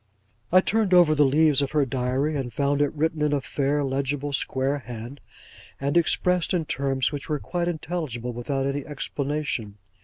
I turned over the leaves of her Diary, and found it written in a fair legible square hand, and expressed in terms which were quite intelligible without any explanation.